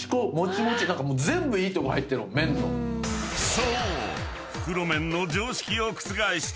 ［そう］